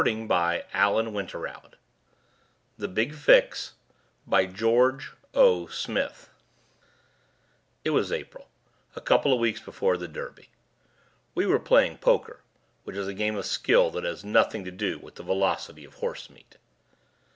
Now consider a horserace that_ had to be fixed ... It was April, a couple of weeks before the Derby. We were playing poker, which is a game of skill that has nothing to do with the velocity of horse meat.